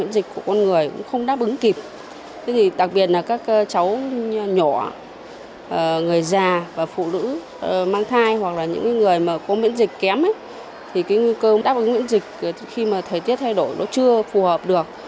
thì cái nguy cơ đáp ứng nguyễn dịch khi mà thời tiết thay đổi nó chưa phù hợp được